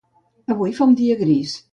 Avui fa un dia gris.